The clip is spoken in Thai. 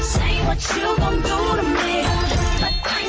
สุดท้าย